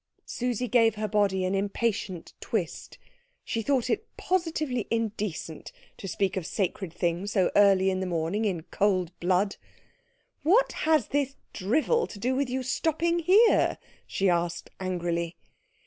Susie gave her body an impatient twist. She thought it positively indecent to speak of sacred things so early in the morning in cold blood. "What has this drivel to do with your stopping here?" she asked angrily.